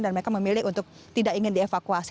dan mereka memilih untuk tidak ingin dievakuasi